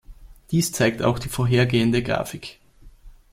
Dies zeigt auch die vorhergehende Grafik.